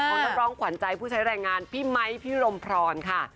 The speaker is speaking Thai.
นักร้องขวัญใจผู้ใช้แรงงานพี่ไมค์พี่รมพรค่ะ